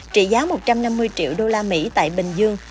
trị giá một trăm năm mươi triệu usd tại bình dương